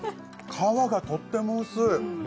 皮がとっても薄い！